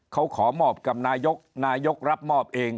เขาขอมอบกับนายกนายกรับมอบเอง